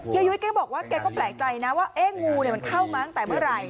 ยุ้ยแกบอกว่าแกก็แปลกใจนะว่าเอ๊ะงูมันเข้ามาตั้งแต่เมื่อไหร่